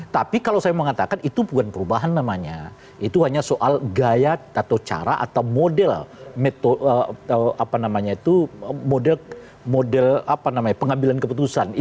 tapi kalau saya mengatakan itu bukan perubahan namanya itu hanya soal gaya atau cara atau model pengambilan keputusan